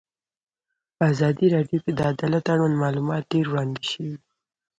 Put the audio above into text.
په ازادي راډیو کې د عدالت اړوند معلومات ډېر وړاندې شوي.